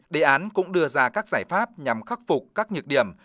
đề án cũng đưa ra các giải pháp nhằm khắc phục các nhược điểm